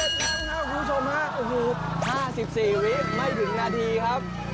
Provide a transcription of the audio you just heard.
เสร็จแล้วครับคุณผู้ชมฮะ๕๔วิไม่ถึงนาทีครับ